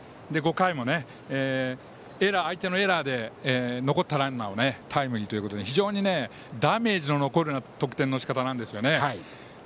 ５回も相手のエラーで残ったランナーをタイムリーということで非常にダメージが残るような得点のしかたなんですよね。